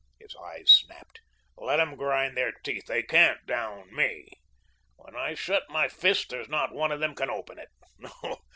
His eyes snapped. "Let 'em grind their teeth. They can't 'down' me. When I shut my fist there's not one of them can open it.